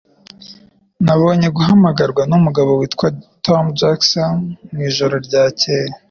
Nabonye guhamagarwa numugabo witwa Tom Jackson mwijoro ryakeye.